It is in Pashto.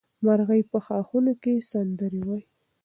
مرغۍ په ښاخونو کې سندرې وایي.